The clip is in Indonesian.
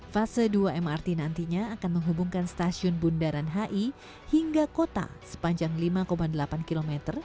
fase dua mrt nantinya akan menghubungkan stasiun bundaran hi hingga kota sepanjang lima delapan km